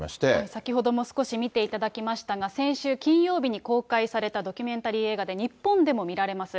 先ほども少し見ていただきましたが、先週金曜日に公開されたドキュメンタリー映画で日本でも見られます。